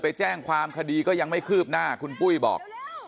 ไปแจ้งความคดีก็ยังไม่คืบหน้าคุณปุ้ยบอก